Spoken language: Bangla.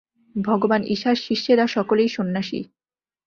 ভগবান ঈশার শিষ্যেরা সকলেই সন্ন্যাসী।